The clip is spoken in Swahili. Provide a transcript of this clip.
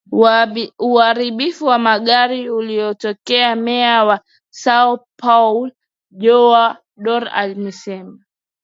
uharibifu wa magari ukitokeaMeya wa Sao Paulo Joao Doria amesema